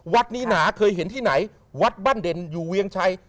วัดนี้หนาเคยเห็นที่ไหนวัดบ้านเด่นอยู่เวียงชัย